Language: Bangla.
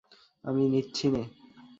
আমি নিচ্ছি নে।